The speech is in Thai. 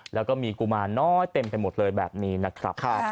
แล้วก็มีกุมารน้อยเต็มไปหมดเลยแบบนี้นะครับ